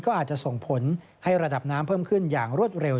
ก็อาจจะส่งผลให้ระดับน้ำเพิ่มขึ้นอย่างรวดเร็ว